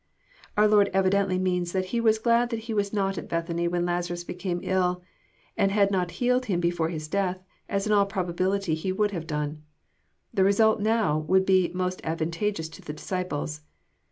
Oar Lord evidently means that He was glad that He was not at Bethany when Lazarus became ill, and had not healed him before his death, as in all probability He would have done. The result now would be most advantageous to the disciples.